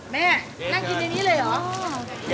แม่นั่งกินอย่างนี้เลยเหรอ